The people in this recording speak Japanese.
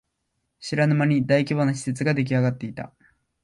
知らぬ間に大規模な施設ができあがっていた